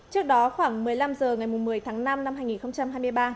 trước đó khoảng một mươi năm h ngày một mươi tháng năm năm hai nghìn hai mươi ba